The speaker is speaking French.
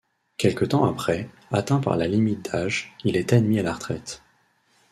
Quelque temps après, atteint par la limite d'âge, il est admis à la retraite.